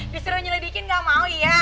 disuruh nyelidikin gak mau ya